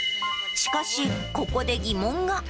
しかし、ここで疑問が。